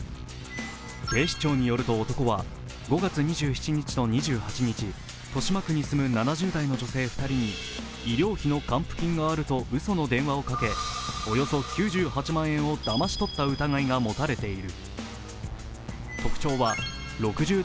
警視庁によると男は５月２７日と２８日豊島区に住む７０代の女性２人に医療費の還付金があるとうその電話をかけ、およそ９８万円をだまし取った疑いが持たれている。